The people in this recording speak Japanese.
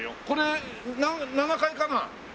これ７階かな？